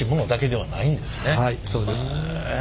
はいそうです。